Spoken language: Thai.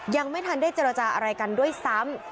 ยังไม่ทันได้เจรจาอะไรกันด้วยซ้ำ